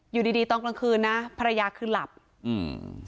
อยู่ดีดีตอนกลางคืนนะภรรยาคือหลับอืม